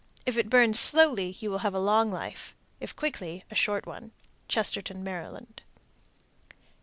If it burns slowly you will have a long life. If quickly, a short one. _Chestertown, Md.